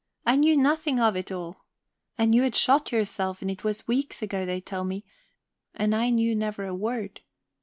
I knew nothing of it all. And you had shot yourself, and it was weeks ago, they tell me, and I knew never a word.